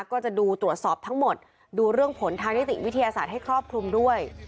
ก็จะดูตรวจสอบทั้งหมดดูเรื่องผลทางนิติวิทยาศาสตร์ให้ครอบคลุมด้วย